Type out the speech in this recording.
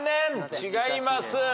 違います。